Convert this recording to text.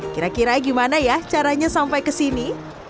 kira kira gimana ya caranya sampai ke sini